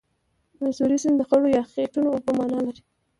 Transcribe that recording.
د میسوری سیند د خړو یا خټینو اوبو معنا لري.